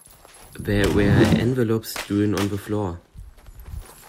There were envelopes strewn on the floor.